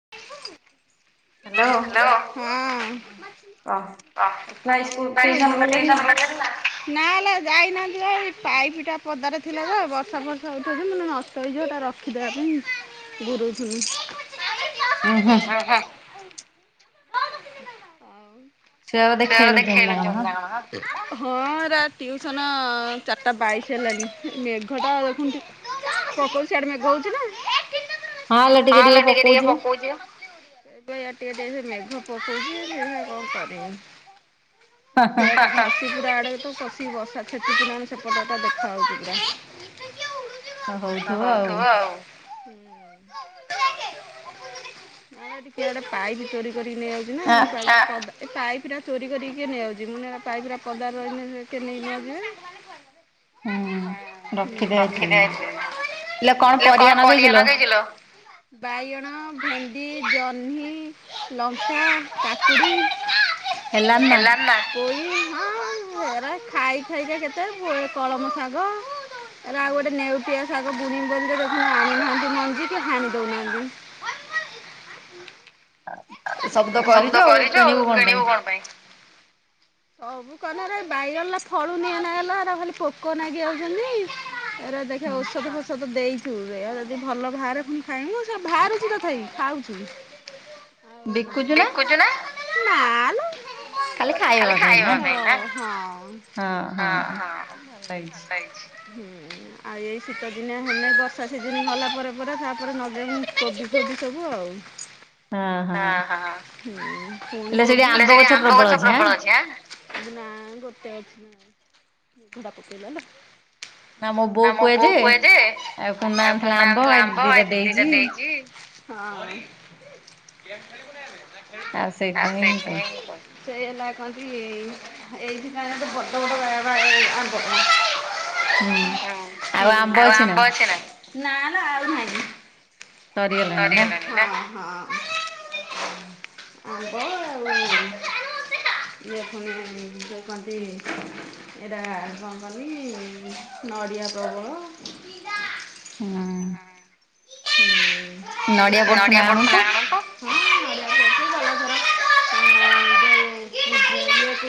[inaudible] Hello ହୁଁ। [unintelligible] ନାଁ [unintelligible] ହେଲା ଯାଇନାହାନ୍ତି ପା ଏଇ ପାଇପ୍ ଟା ପଦାରେ ଥିଲା ତ ବର୍ଷା ଫର୍ଷା ଉଠୋଊଛିନା ନଷ୍ଟ ହେଇଯିବ ସେଟା ରଖିଦେବି। ତାପ ଗୁରୁଜ [unintelligible] ଉ ହୁଁ [inaudible] [unintelligible] ହଁ ଏରା ଟିଉସନ ଚାରିଟା ବାଇଶି ହେଲାଣି ମେଘଟା ଦେଖୁନୁ। ହଁ ଲୋ ଟିକେ ଟିକେ ପକୋଉଛି ପା। ଏବେ ଏଆଡ଼େ ଟିକେ ଟିକେ ମେଘ ପକଉଛି ଯେ [unintelligible] [unintelligible] ଖଷିକି ବର୍ଷା ଛେଚିକି କିନା ସେପଟ ଟା ଦେଖାହଉଚି ପୁରା। ହଁ ହୋଉଥିବ ଆଉ। [unintelligible] [unintelligible] [unintelligible] ଏ ପାଇପ୍ ଟା ଚୋରି କରିକି କିଏ ନେଇଆାଉଚି ମୁଁ ଏନା ପାଇପ୍ ଟା ପଦାରେ ରହିଲେ କେ ନେଇ ନୁଆ ଯିବେ। ହଁ [unintelligible] ଲକ୍ଷେ ଯାଇଛି ଲୋ କଣ ପରିବା ନଗେଇଚିଲୋ ଭେଣ୍ଡି ଜହ୍ନି ଲଙ୍କା କାକୁଡ଼ି ହେଲାଣି ନା ଏରା ଖାଇ ଖାଇକା କେତେ ପୂଳେ କଳମ ଶାଗ ଏରା ଆଉ ଗୋଟେ ନେଉଟିଆ ସାାଗ ବୁ଼ଣିବି ବୋଲି ଦେଖୁନ୍ ଆଣିନାହାନ୍ତି ମଞ୍ଜିଯେ ହାଣି ଦେଉନାହାନ୍ତି [inaudible] ସବୁତ କରିଚୁ ଆଉ କିଣିବୁ କଣ ପାଇଁ। [unintelligible] ଅକନାରେ ବାଇଗଣରା ଫଳୁନି [unintelligible] ଏନା ଖାଲି ପୋକ ନାଗି ଯାଉଛନ୍ତି ଏରା ଦେଖ ଔଷଧ ଫୋଷଧ ଦେଇଛୁ ଦେଖିଆ ଯଦି ଭଲ ବାହାରେ ଫୁଣି ଖାଇମୁ ବାହାରୁଛି ତଥାପି ଖାଉଛୁ ବିକୁଚୁନା [inaudible] ଖାଲି ଖାଇବା ପାଇଁ ନା। ହଁ ହଁ ଆ ଏଇ ଶୀତ ଦିନିଆ ହେଲେ ବର୍ଷା ସିଯିନ୍ ଗଲା ପରେ ପରେ ତାପରେ ନଗେଇବୁ କୋବି [unintelligible] ସବୁ ଆଉ ଅ ହଁ ଆଲୋ ସେଠି ଆମ୍ବ ଗଛ ପ୍ରବଳ ଅଛିଁ ଆଁ ନା ଗୋଟେ ଅଛି ନା ମୋ ବୋଉ କୁହେ ଯେ ଆଉ କୁନା ଆଣିଥିଲା ଆମ୍ବ ଏଠି ଦିଟା ଦେଇଚି ହଁ [inaudible] ଗେମ୍ ଖେଳିବୁନାଇ ଆମେ। ତାର ଶେଇଥିପାଇଁ ମୁଁ କନ୍ ସେଇ ହେଲା କହନ୍ତି ଏ ଏଇଥି କିନା ବଡ ବଡ ବାଇଗଣ [unintelligible] ଆମ୍ୱ [unintelligible] ହୁଁ ଆଉ ଆମ୍ବ ଅଛି ନା। ନା ନା ଆଉ ନାହିଁ ହଁ ହଁ ହଁ। [unintelligible] [inaudible] ଇଏ ଫୁଣି ଯୋଉ କଣନ୍ତି ଏଇଟା କଣ କହନି ନଡି ୟା ପ୍ରବଳ ହୁଁ ହୁଁ। ନଡ଼ିଆ ପଡୁଥିନେ ଆଣନ୍ତ।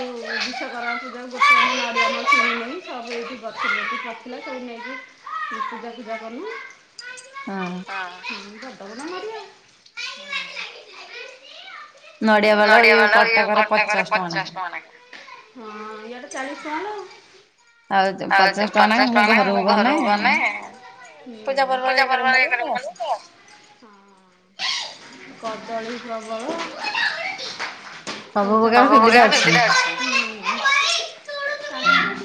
[unintelligible] [unintelligible] ବସି ବସିଥିଲା ସବୁ ନେଇକି। ମୁ ପୂଜା ଫୁଜା କରନୁ ଆ ମୁ। [unintelligible] ନଡିଆ ବେଳ ଇ କଟକରେ ପଚାଶ ଟଙ୍କା ଲେଖା। ହଁ ୟାଡ ଚାଳିଶି କଣ? ଆଉ ପଚାଶ ଟଙ୍କା ମୁଁ ଘରକୁ ଗନେ ହୁଁ ପୂଜା ପରର୍ବ ଏରେ। [unintelligible] କଦଳୀ ପ୍ରବଳ। [unintelligible] ଅଛି। ହଁ।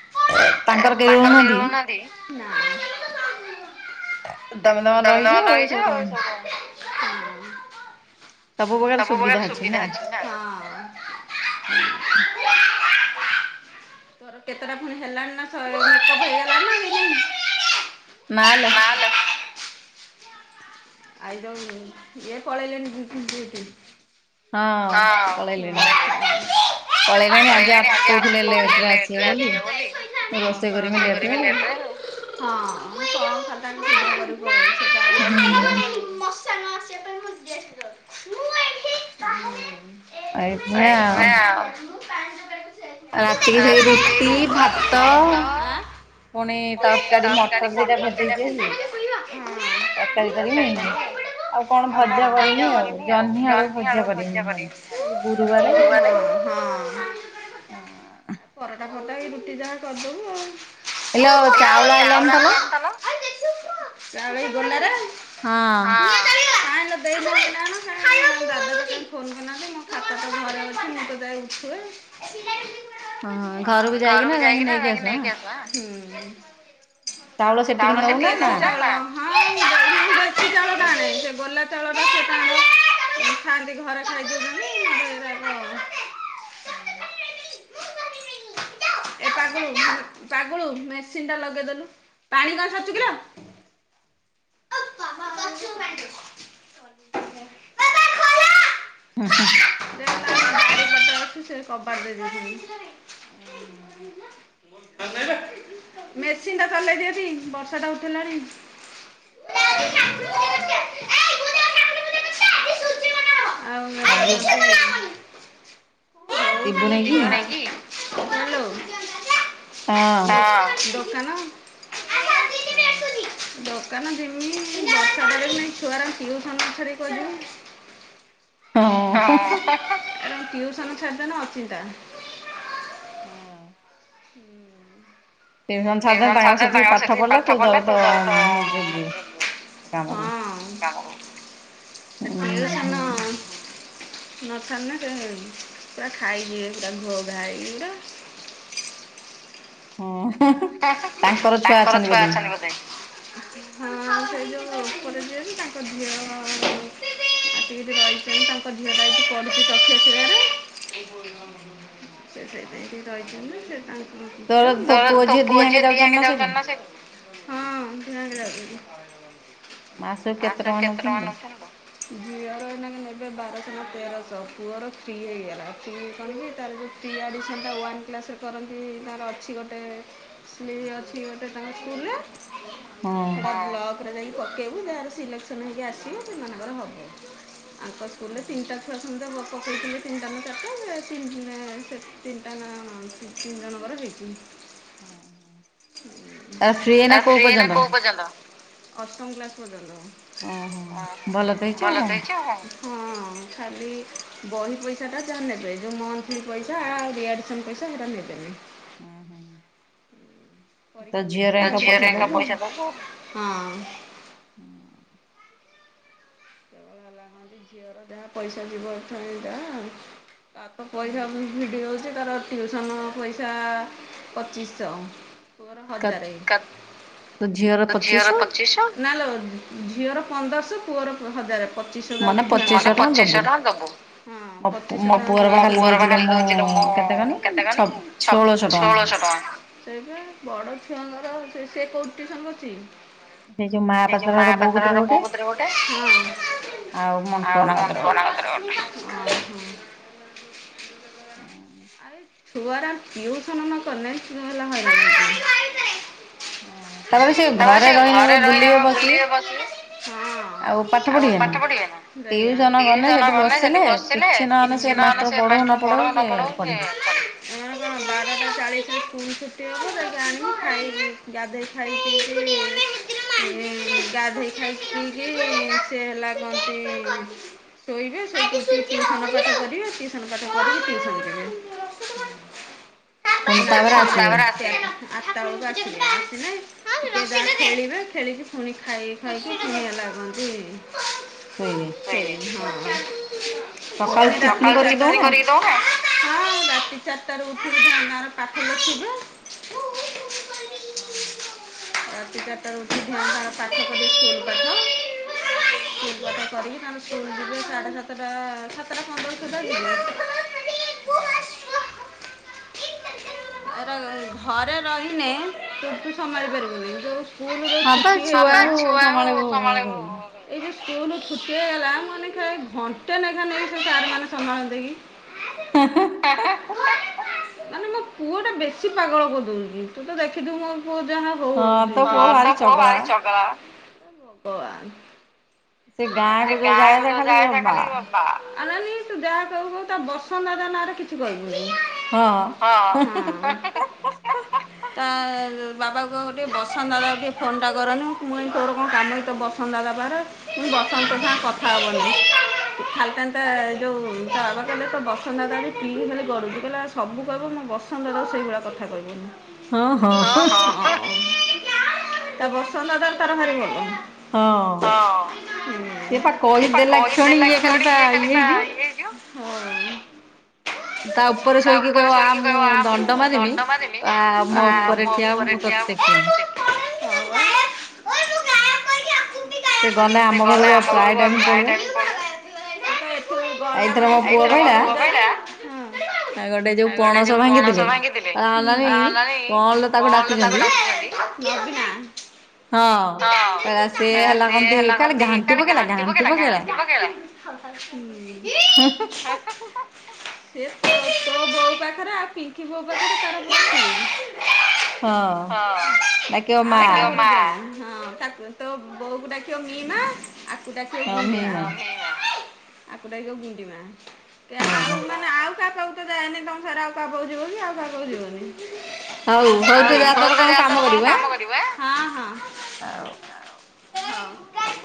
[unintelligible] ତାଙ୍କର କେହି ରହୁନାହାନ୍ତି କି? [unintelligible] ଦଉନ୍। [unintelligible] ଆଉ ସବୁ। [unintelligible] ସବୁବେଳେ ସୁବିଧା ଅଛି ନା? ହଁ। [unintelligible] ତୋର କେତେଟା ପୁଣି ହେଲାଣି ନା ନେକ ହେଇଗଲାଣି ନା ହେଇନେଇ? ନା ଲୋ। ଆଇ ଜଉ ଇଏ ପଳେଇଲେଣି। [unintelligible] ହଁ। [unintelligible] ପଳେଇଲେଣି ଆଜି କହୁଥିଲେ ଲେଟ ରେ ଆସିବ ବୋଲି ରୋଷେଇ କରିବି ଲେଟରେ ଆଉ। ହଁ। [unintelligible] ହୁଁ। [unintelligible] ମୁ ଏଇଠି ବାହାରେ। ଏଇଥିଁ ଆଉ। ରାତିକି ସେଇ ରୁଟି, ଭାତ। ପୁଣି ତରକାରୀ ମଟର ଦିଟା ଭେଦେଇଛି ଆଜି ତରକାରୀ କରି ହେଇନି? ଆଉ କଣ ଭଜା କରିମୀ ଆଉ ଜହ୍ନି ଆଳୁ ଭଜା କରିମୀ ଭାବି ଆଜି ଗୁରୁବାରେ। ଆଉ ପରଟା ଫଟା ଏଇ ରୁଟି ଯାହା କରିଦବୁ ଆଉ। ଚାଉଳ ଆଲାତାଲା ଚାଳ ହ ବୁନରେ। ହଁ। ଇଲୋ ଦେଇ ନାନ୍ତି ନା କଣ ଦାଦବା ଫୋନ କରିନାହାନ୍ତି ମୋ ଖାତା ତ ଘରେ ଅଛି ମୁଁ ତ ଯାଇ ଉଛୁଏ। ହଁ ଘରକୁ ଯାଇକି ନା ଯାଇକି ନେଇକି ଆସିବ ଆଁ, ହୁଁ। ଚାଉଳ ସେଠି କି ନୌନ ନା, ହଁ। [unintelligible] ଚାଉଳ ଟା ଆଣେ ସେ ଗୋଲା ଚାଉଳଟ ସେ ତାଙ୍କର ଖାଆନ୍ତି ଘରେ ଖାଇଦଉଛନ୍ତି। [unintelligible] ଏ ପାଗୁଳୁ ପାଗୁଳୁ ମେସିନ୍ ଟା ଲଗେଇଦେଲୁ। ପାଣି କଣ ସଚୁ କିଲ? ହୁଁ ହୁଁ। ଯାଉଛୁ ସେ କବାଟ ଦେଇଦେଇଛନ୍ତି। ମେସିନ୍ ଟା ଚଲେଇ ଦିଅତୀ ବର୍ଷା ଟା ଉଠେଲାଣି। [unintelligible] ଆଜି ସୂଜିବ ତାର। ଆଜି କଣ ହଉଛନ୍ତି ଛୁଆ? ହୁଁ ହଁ ଦୋକାନ ହୁଁ ଦୋକାନ ଜିମିନି, ବର୍ଷା ଟାରେ ଛୁଆରାଙ୍କୁ ଟିଉସନ ନ ଛାଡ଼ି କୁଆଡେ ଜିମି? ହଁ ଅଁ ଟିଉସନ ଛାଡିଦେ ନେ ଅଚିନ୍ତା। ହୁଁ ଉଁ ହୁଁ ଉଁ ନ ସା ତାଙ୍କର ସେଠିକି ପାଠ ପଢିଲେ ତୁ ତର ତ ହଁ ଅଁ ଟିଉସନ ନଥାନ୍ତେ କ ପୁରା ଖାଇଯିବେ ପୁରା ଘୋ ଘା ହେଇ ପୁରା। [inaudible] [unintelligible] ତାଙ୍କର ଛୁଆ ଅଛନ୍ତି ବୋଧେ। [inaudible] ସେଇ ଯଉ ଉପରେ ଯିଏନୁ, ତାଙ୍କ ଝିଅ ଆସିକିରି ରହିଛନ୍ତି ତାଙ୍କ ଝିଅ ରହିଛି ପଢୁଛି ତଖ୍ୟ ଶିଳାରେ। ହୁଁ ସେ ସେଇଦି ପାଇଁ ଟିକେ ରହିଛନ୍ତି ସେ ତାଙ୍କର ଝିଅ ପୁଅ ଝିଅ ଦି ଆଂକେ ଯାଉଛନ୍ତି ନା ସେ ହଁ ଦିହେଁ ଯାକ ଯାଉଛନ୍ତି। ମାସ କୁ କେତେ ଟଙ୍କା ନଉ ଚନ୍ତି ଝିଅର ଏଇନେକେ ନେବେ ବାରହ ତେରଶହ ପୁଅର ଫ୍ରି ହେଇଗଲା ଫ୍ରି କଣ କି, ତାର ଯଉ ଥ୍ରୀ ଆଡ଼ମିସନ ଟା ୱାନ କ୍ଲାସ ରୁ କରନ୍ତି। ତାର ଅଛି ଗୋଟେ [unintelligible] ଅଛି ଗୋଟେ ତାଙ୍କ ସ୍କୁଲ ରେ ରେ ଯାଇକି ପକେଇବୁ ଯାହାର ସିଲେକ୍ସନ ହେଇକି ଆସିବ ସେମାନଙ୍କର ହବ। ଆଙ୍କ ସ୍କୁଲ ରେ ତିନିଟା ଛୁଆ ସମଦାୟ ପକେଇଥିଲେ ତିନିଟା ଚାରିଟା ସେ ତିନ ତିନିଟା ହଁ ଦି ତିନ ଜଣକର ହେଇଚି। ହୁଁ ଉଁ ଆ ଫ୍ରୀ ଏଇନେ କୋଉ ପର୍ଯ୍ୟନ୍ତ ଅଷ୍ଟମ୍ କ୍ଲାସ ପର୍ଯ୍ୟନ୍ତ। ଆଁ ଭଲ ତ ହେଇଚି ଆଉ କଣ ହଁ ଖାଲି ବହି ପଇସାଟା ଯାହା ନେବେ ଯୋଉ ମନ୍ଥଲି ପଇସା ରିଆଡ଼ମିସନ ପଇସା ସେଇଟା ନେବେନି। ହଁ ହୁଁ। ପରୀକ୍ଷା ଫୀସ ତା ଝିଅ ର ଙ୍କ ପଇସା ଦବୁ ହଁ। ହୁଁ କେବଳ ହେଲା କଣଗି ଝିଅର ଯାହା ପଇସା ଯିବ ଏଠୁ ଏଣିକା। ତା ବାପା ପଇସା ମୁଁ ଭିଡି ହଉଛି। ତାର ଟିଉସନ ପଇସା ପଚିଶଶହ। ପୁଅର ହଜାର ତ ଝିଅର ପଚିଶ ନା ଲ ଝିଅର ପନ୍ଦରଶହ ପୁଅର ପ ହଜାରେ। ପଚିଶି ଶହ ଟଙ୍କା ଦବୁ, ମୋ ପୁଅ ପା ଖାଲି ଦଉଛି ଲୋ ମୁଁ ହଁ କେତେ କହନି ଷୋଳଶହ ଟଙ୍କା, ସେଇଥି ପାଇଁ ବଡ ଛୁଆଙ୍କର ସେ କୋଉଠି ଟିଉସନ କରୁଛି ସେ ଯୋଉ ମାପାତ୍ରର ବୋଉ କତରେ ଗୋଟେ। ଆଉ [unintelligible] ହୁଁ ଛୁଆର ଟିଉସନ ନ କନେ ହେଲା ହଇରାଣ ନାହିଁ ତାପରେ ସେ ଘରେ ରହିନେ ବୁଲିବେ ପା ସିଏ। ଆଉ ପାଠ ପଢିବେ ନା ଟିଉସନ ଗଲେ ସେଠି ବସିଲେ କିଛି ନହଲେ ସେ ମାଷ୍ଟର [unintelligible] ବାରଟା ଚାଲିଶ ରେ ଛୁଟି ଆ ଖାଇ ଗାଧୋଇ ଖାଇ ଗାଧୋଇ ଖାଇକିରି ସେ ହେଲା କଣତି ଶୋଇବେ, ଶୋଇକି ଉଠିକି ଟିଉସନ ପାଠ କରିବେ, ଟିଉସନ ପାଠ କରିକି ଟିଉସନ ଯିବେ। ହଁ ଅଁ ରାତି ଆଠଟା ବେଳକୁ ଅସିବେ ଦିଟା ଯାକ ଖେଳିବେ। ଖେଳିକି ପୁଣି ଖାଇ ଖାଇକି ନିିଆ ଲାଗନ୍ତି ଖେଳିବେ ହଁ। ସକାଳୁ ଚାର ଟା ରୁ କରିକି ଦଉନା। ହ ରାତି ଚାରିଟାରୁ ଉ ଝରଣାର ପାଠ ଲେଖିବେ। [inaudible] ରାତି ଚାର ଟା ରୁ ଉଠିକି [unintelligible] ତାର ପାଠ କରିବେ ସ୍କୁଲ ପାଠ। ସ୍କୁଲ୍ ପାଠ କରିବି ତାର ସ୍କୁଲ। ଯିବେ ସାଢ଼େ ସାତଟା ସାତଟା ପନ୍ଦର ସୁଧା ଯିବେ। ହ ଏରା ଘ-ଘରେ ରହିନେ। ଛୁଟି ସମ୍ଭାଳି ପାରିବୁନି ଯୋଉ ସ୍କୁଲ ଯୋଉ ଛୁଟି ହେଇଗଲା। ହ ପା ଛୁଆଁଙ୍କୁ ସମଲିବୁ ସ୍କୁଲ ଛୁଟି ହେଇଗଲା ମାନେ କେ ଘଣ୍ଟେ ନେଖା ନେଇକି ସେ ସାର ମାନେ ସମ୍ଭାଳେନ୍ତେକି। ହାଁ ହାଁ। ପାଗଳ କରଦଉଛିି ତୁ ତ ଦେଖିଥିବୁ ମୋ ପୁଅ ଯାହା ହୋଉଛି ହ ପା ପୁଅ ଭାରି ଚଗଲା ବା ହେ ଭଗବାନ। ସେ ଗାଁକୁ ଯୋଉ ଯାଏ ଯା ଖାଲି ମୋ ମା ଅନାନି ତୁ ଯାହା କହିବୁ କହିବୁ ତା ବସନ୍ତ ଦାଦା ନାଁ ରେ କିଛି କହିବୁ ହ ତ ବାବା। କହିବ। ଟିକେ ବସନ୍ତ ଦାଦା କୁ ଟିକେ ଫୋନ ଟା କରନି ମୁଁ କହିମୀ ତୋର କଣ କାମ କି ତ ବସନ୍ତ ଦାଦା ପାଖରେ। ମୁଁ କହିଲି ବସନ୍ତ ତୋ ସାଙ୍ଗେ କଥା ହବନି। ଖାଲି ଟାନ ତା ଯୋଉ ତା ବାବା କହିଲେ ତୋ ବସନ୍ତ ଦାଦା କୁ କି ହେଲେ ଗଡୁଚୁ କହିଲା ସବୁ କହିବ ମୋ ବସନ୍ତ ଦାଦା କୁ ସେଇଭଳିଆ କଥା କହିବନି। ହଁ ହଁ। ତା ବସନ୍ତ ଦାଦାର ତାର ଭାରି ଭଲ। ହଁ। ସିଏ ପା କହିଦେଲା କ୍ଷଣି ଇଏ ଖାଲି ପା ଇଏ ହେଇଯିବ। ତା ଉପରେ ଶୋଇକି କହିବ ଆ ମୁଁ ଦଣ୍ଡ ମାରିବି ଆ ମୋ ଉପରେ। ଠିଆ ହବୁ ମୁଁ ତତେ ଟେକିମ ସେ ଗନେ ଆ ଆମ ଘରକୁ ପା ପ୍ରାୟ ଟାଇମ ପଲୁଏ। ଏଇ ଥରକ ପୁଅ କହିଲା। ଆ ଗୋଟେ ଯୋଉ ପଣସ ଭାଙ୍ଗିଥିଲେ ଆ ଅନାନୀ କଣ ଲୋ ତାକୁ ଡାକିଛନ୍ତି। ନବି ନା। ହଁ କଇଲା ସିଏ ହେଲା କନ୍ତି କାଲି। କାଲି ଘାଣ୍ଟି ପକେଇଲା ଘାଣ୍ଟି ପକେଇଲା। ହେ। ସେ ତୋ ତୋ ବୋଉ ପାଖରେ ଆଉ ପିଙ୍କି ବୋଉ ପାଖରେ ତାର [unintelligible] ହଁ ଡାକିବ ମା। ବୋଉ କୁ ଡାକିବ ମୀ ମା ଆକୁ ଡାକିବ ଗୁଣ୍ଡୁ ମା। ଆକୁ ଡାକିବ ଗୁଣ୍ଡି ମା କେ ଆଉ ମାନେ ଆଉ। କାହା ପାକୁ ତ ଯାଏନି ତମ ଛଡା ଆଉ କାହା ପାଖକୁ ଯିବନି ଆଉ କାହା ପାଖକୁ ଯିବନି। [inaudible] ଆଉ ଭାଉଜ ଯାଅ ତମେ କଣ କାମ କରିବ ଆଁ। ହଁ।